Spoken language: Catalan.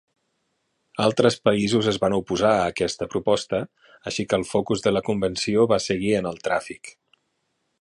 Altres països es van oposar a aquesta proposta, així que el focus de la convenció va seguir en el tràfic.